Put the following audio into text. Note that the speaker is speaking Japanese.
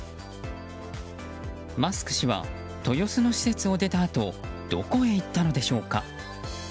マスク氏は豊洲の施設を出たあとどこへ行ったのでしょうか。